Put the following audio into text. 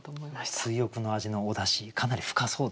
追憶の味のおだしかなり深そうですね。